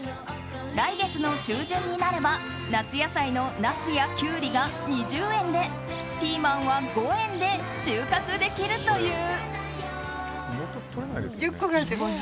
来月の中旬になれば夏野菜のナスやキュウリが２０円でピーマンは５円で収穫できるという。